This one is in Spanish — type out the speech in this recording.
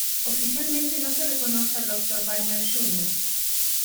Oficialmente no se reconoce a Dr. Wagner Jr.